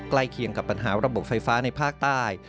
เคียงกับปัญหาระบบไฟฟ้าในภาคใต้